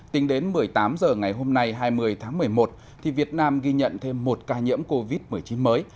tính đến một mươi tám h ngày hôm nay hai mươi tháng một mươi một việt nam ghi nhận thêm một ca nhiễm covid một mươi chín mới